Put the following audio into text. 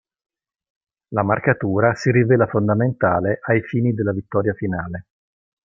La marcatura si rivela fondamentale ai fini della vittoria finale.